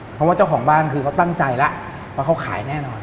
เพราะว่าเจ้าของบ้านคือเขาตั้งใจแล้วว่าเขาขายแน่นอน